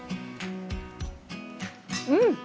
うん！